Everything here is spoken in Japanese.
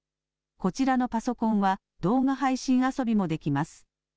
こちらのパソコンは、動画配信遊びもできます。